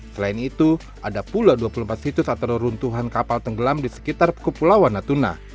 selain itu ada pula dua puluh empat situs atau runtuhan kapal tenggelam di sekitar kepulauan natuna